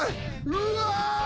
うわ！